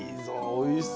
おいしそう。